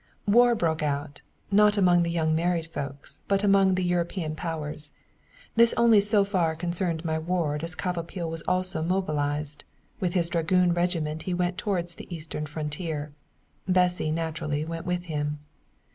War broke out, not among the young married folks, but among the European Powers. This only so far concerned my ward as Kvatopil was also mobilized; with his dragoon regiment he went towards the eastern frontier. Bessy, naturally, went with him.